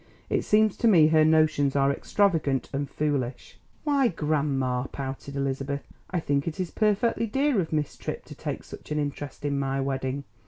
It seems to me her notions are extravagant and foolish." "Why, grandma!" pouted Elizabeth. "I think it is perfectly dear of Miss Tripp to take such an interest in my wedding.